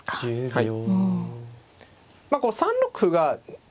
はい。